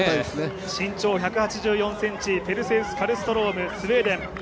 身長１８４ｃｍ、ペルセウス・カルストローム、スウェーデン。